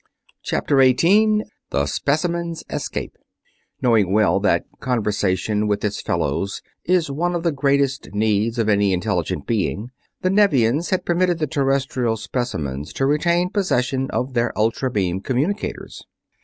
CHAPTER 18 THE SPECIMENS ESCAPE Knowing well that conversation with its fellows is one of the greatest needs of any intelligent being, the Nevians had permitted the Terrestrial specimens to retain possession of their ultra beam communicators.